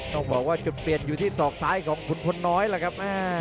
ต้องบอกว่าจุดเปลี่ยนอยู่ที่ศอกซ้ายของขุนพลน้อยล่ะครับ